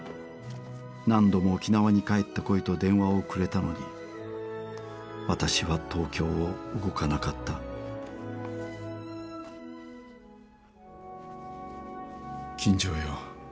何度も沖縄に帰ってこいと電話をくれたのに私は東京を動かなかった金城よ